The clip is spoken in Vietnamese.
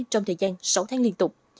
trong thời gian sáu tháng liên tục